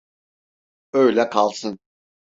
Öyle kalsın.